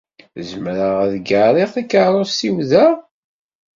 Zemreɣ ad gaṛiɣ takeṛṛust-iw da?